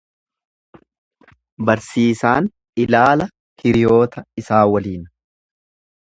Barsiisaan ilaala hiriyoota isaa waliin.